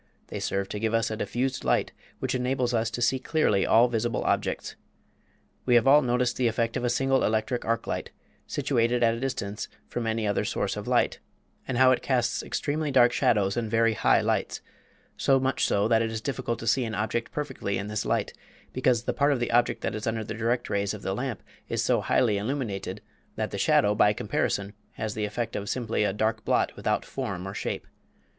They serve to give us a diffused light which enables us to see clearly all visible objects. We have all noticed the effect of a single electric arc light, situated at a distance from any other source of light, and how it casts extremely dark shadows and very high lights; so much so that it is difficult to see an object perfectly in this light, because the part of an object that is under the direct rays of the lamp is so highly illuminated that the shadow, by comparison, has the effect of simply a dark blot without form or shape.